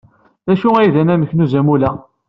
D acu ay d anamek n uzamul-a?